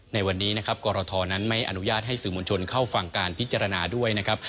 ในวันนี้นะครับกรทนั้นไม่อนุญาตให้สื่อมวลชนเข้าฟังการพิจารณาด้วยนะครับ